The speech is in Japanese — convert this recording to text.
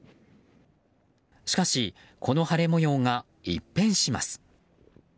しかし、この晴れ模様が一変します。